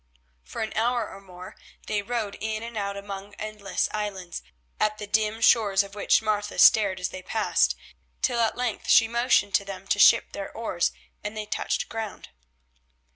For an hour or more they rowed in and out among endless islands, at the dim shores of which Martha stared as they passed, till at length she motioned to them to ship their oars, and they touched ground.